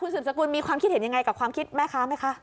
คุณศึนสกุลมีความคิดเห็นยังไงกับความคิดแม่คะแม่คะ